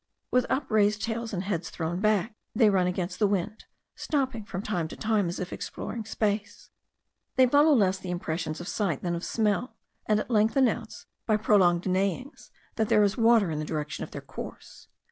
With upraised tails and heads thrown back they run against the wind, stopping from time to time as if exploring space; they follow less the impressions of sight than of smell; and at length announce, by prolonged neighings, that there is water in the direction of their course.